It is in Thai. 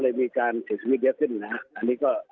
ก็เลยมีการเศรษฐ์มิเวศนี้ได้นะครับ